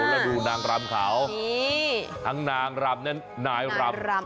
แล้วดูนางรำเขาทั้งนางรำนั้นนายรำ